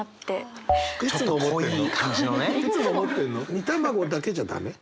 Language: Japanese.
煮卵だけじゃ駄目？